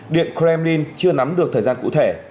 điện kremlin chưa nắm được thời gian cụ thể